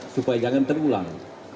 supaya jangan terulang